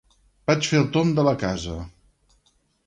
Vaig fer el tomb de la casa.